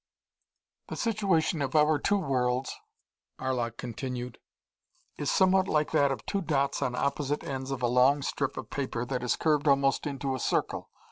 "The situation of our two worlds," Arlok continued, "is somewhat like that of two dots on opposite ends of a long strip of paper that is curved almost into a circle.